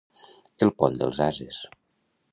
El pont dels ases.